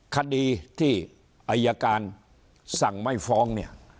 คดีที่อายการสั่งไม่ฟ้อง